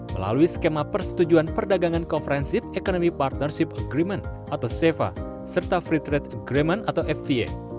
melalui skema persetujuan perdagangan konferensive economy partnership agreement atau seva serta free trade agreement atau fta